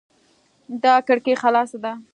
دا کړکي خلاصه ده